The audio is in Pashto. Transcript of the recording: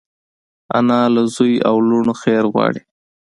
انا له زوی او لوڼو خیر غواړي